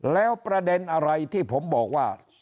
แล้วประเด็นอะไรที่ผมบอกว่า